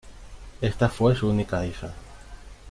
Ésta fue su única hija.